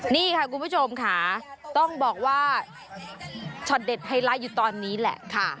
นี่ค่ะคุณผู้ชมค่ะต้องบอกว่าช็อตเด็ดไฮไลท์อยู่ตอนนี้แหละค่ะ